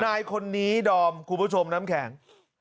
นายคนนี้ดอมคุณผู้ชมน้ำแข็ง